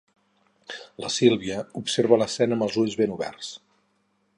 La Sílvia observa l'escena amb els ulls ben oberts.